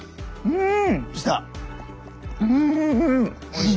うん！